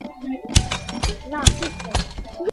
ভালোবাসা হৃদয় থেকে উৎসারিত হওয়ার একটা কারণ আছে।